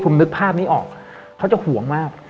ผมนึกภาพไม่ออกเขาจะห่วงมาก